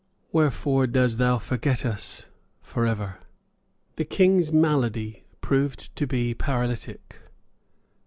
Wherefore dose thou forget us for ever?" The King's malady proved to be paralytic.